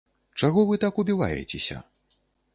Чаго вы так убіваецеся?